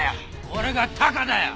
俺がタカだよ！